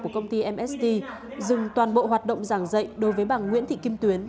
của công ty mst dừng toàn bộ hoạt động giảng dạy đối với bà nguyễn thị kim tuyến